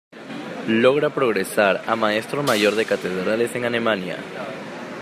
Logra progresar a Maestro Mayor de Catedrales en Alemania.